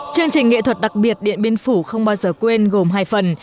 chương trình nghệ thuật đặc biệt điện biên phủ không bao giờ quên gồm hai phần